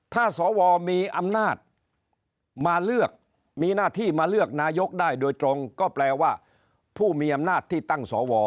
ถ้าสวมีอำนาจมาเลือกมีหน้าที่มาเลือกนายกได้โดยตรงก็แปลว่าผู้มีอำนาจที่ตั้งสว